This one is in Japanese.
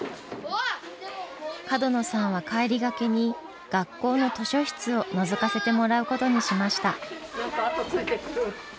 角野さんは帰りがけに学校の図書室をのぞかせてもらうことにしました。